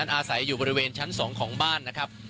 อาศัยอยู่บริเวณชั้น๒ของบ้านนะครับ